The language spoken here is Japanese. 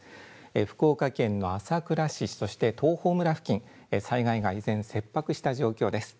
福岡県の朝倉市、そして東峰村付近、災害が依然、切迫した状況です。